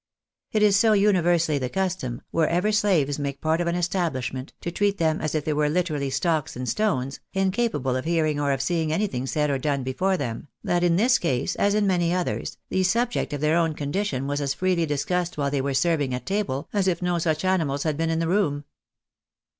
It is so universally the custom, wherever slaves make part of an estabhshment, to treat them as if they were hterally stocks and stones, incapable of hearing or of seeing anything said or done before them, that in this case, as in many others, the subject of their own condition was as freely discussed while they were serving at table, as if no such animals had been in the room.